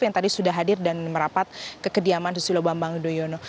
yang tadi sudah hadir dan merapat ke kediaman susilo bambang yudhoyono